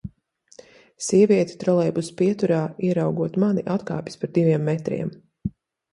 Sieviete trolejbusa pieturā, ieraugot mani, atkāpjas par diviem metriem.